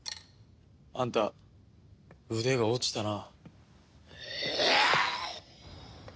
あんた腕が落ちたな。